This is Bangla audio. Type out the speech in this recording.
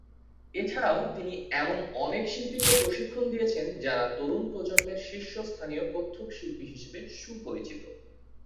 এছাড়াও তিনি এমন অনেক শিল্পীকে প্রশিক্ষণ দিয়েছেন যাঁরা তরুণ প্রজন্মের শীর্ষস্থানীয় কত্থক শিল্পী হিসেবে সুপরিচিত।